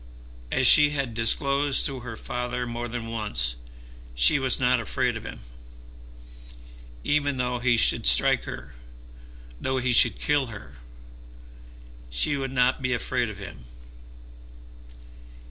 As she had declared to her father more than once, she was not afraid of him. Even though he should strike her, though he should kill her, she would not be afraid of him.